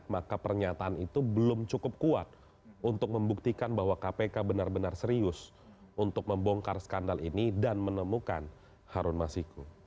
maka pernyataan itu belum cukup kuat untuk membuktikan bahwa kpk benar benar serius untuk membongkar skandal ini dan menemukan harun masiku